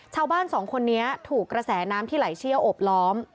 ชาวบ้านสองคนนี้ถูกกระแสน้ำที่ไหลเชี่ยวอบล้อม